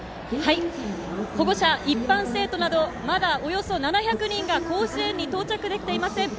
保護者、一般生徒などまだ、およそ７００人が甲子園に到着できていません。